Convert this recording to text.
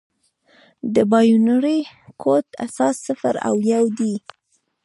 د بایونري کوډ اساس صفر او یو دي.